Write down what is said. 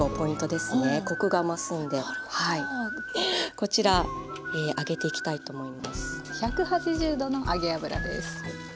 こちら揚げていきたいと思います。